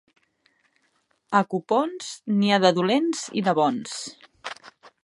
A Copons, n'hi ha de dolents i de bons.